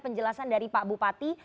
penjelasan dari pak bupati